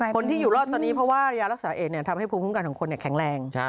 คนที่อยู่รอดตอนนี้เพราะว่ายารักษาเอกทำให้ภูมิคุ้มกันของคนแข็งแรง